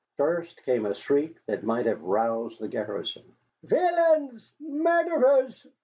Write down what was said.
First came a shriek that might have roused the garrison. "Villains! Murderers!